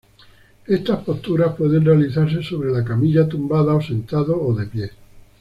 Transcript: Estas posturas pueden realizarse sobre la camilla, tumbado o sentado o de pie.